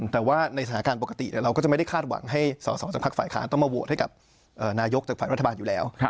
แต่ว่าในสถานการณ์ปกติเราก็จะไม่ได้คาดหวังให้สอสอจากภาคฝ่ายค้านต้องมาโหวตให้กับนายกจากฝ่ายรัฐบาลอยู่แล้ว